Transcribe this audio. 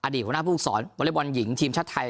อดีตของหน้าผู้สอนบอเลบอลหญิงทีมชาติไทย